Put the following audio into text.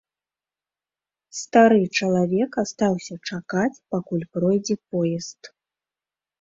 Стары чалавек астаўся чакаць, пакуль пройдзе поезд.